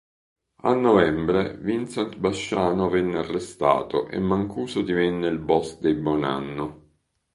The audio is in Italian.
A novembre, Vincent Basciano venne arrestato e Mancuso divenne il boss dei Bonanno.